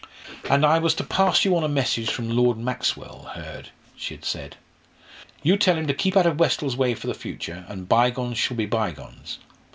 "And I was to pass you on a message from Lord Maxwell, Hurd," she had said: "'You tell him to keep out of Westall's way for the future, and bygones shall be bygones.'